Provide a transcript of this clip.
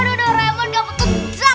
aduh doraemon dapet ujak